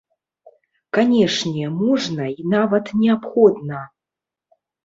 Канешне, можна, і нават неабходна.